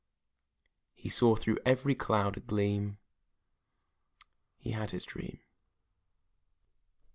He saw through every cloud a gleam He had his dream.